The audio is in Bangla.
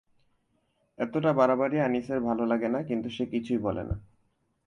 এতটা বাড়াবাড়ি আনিসের ভালো লাগে না, কিন্তু সে কিছুই বলে না।